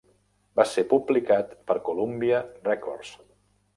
Va ser publicat per Columbia Records.